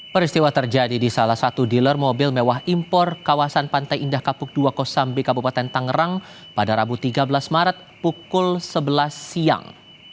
peristiwa terjadi di salah satu dealer mobil mewah impor kawasan pantai indah kapuk dua kosambi kabupaten tangerang pada rabu tiga belas maret pukul sebelas siang